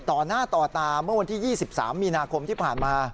ต่อหน้าต่อตาเมื่อวันที่๒๓มีนาคมที่ผ่านมา